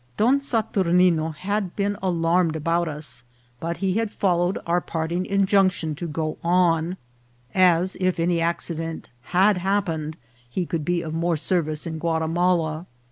Don Saturnine had been alarm ed about us, but he had followed our parting injunction to go on, as, if any accident had happened, he could be of more service in Guatimala.